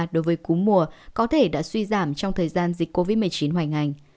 đối với cúm mùa có thể đã suy giảm trong thời gian dịch covid một mươi chín hoành hành